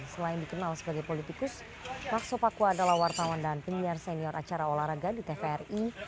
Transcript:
selain dikenal sebagai politikus lakso pakua adalah wartawan dan penyiar senior acara olahraga di tvri